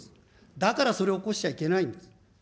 だからそれを起こしちゃいけないんです。